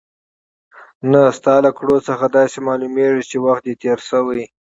نه، ستا له کړو څخه داسې معلومېږي چې وخت دې تېر شوی.